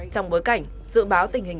trong bối cảnh dự báo tình hình